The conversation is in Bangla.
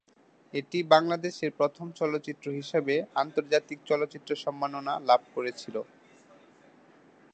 এটি বাংলাদেশের প্রথম চলচ্চিত্র হিসেবে আন্তর্জাতিক চলচ্চিত্র সম্মাননা লাভ করেছিল।